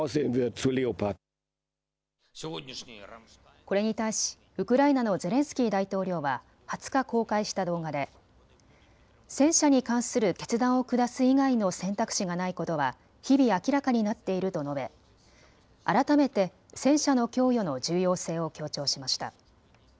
これに対しウクライナのゼレンスキー大統領は２０日、公開した動画で戦車に関する決断を下す以外の選択肢がないことは日々明らかになっていると述べ改めて戦車の供与の重要性を強調しました。